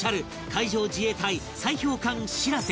海上自衛隊砕氷艦「しらせ」